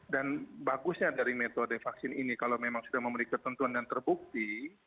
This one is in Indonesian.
dan bagusnya dari metode vaksin ini kalau memang sudah memiliki ketentuan dan terbukti